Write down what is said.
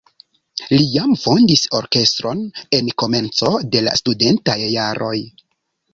Li jam fondis orkestron en komenco de la studentaj jaroj.